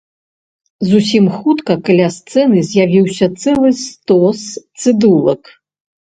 Зусім хутка каля сцэны з'явіўся цэлы стос цыдулак.